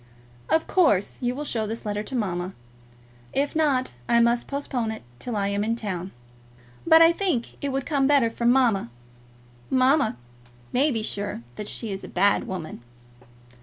Of course you will show this letter to mamma. If not, I must postpone it till I am in town; but I think it would come better from mamma. Mamma may be sure that she is a bad woman.